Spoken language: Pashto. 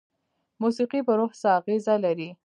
موسیقي په روح څه اغیزه لري؟